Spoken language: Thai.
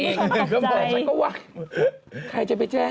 ก็บอกฉันก็ว่าใครจะไปแจ้ง